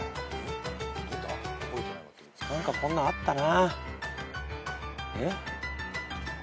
何かこんなあったな。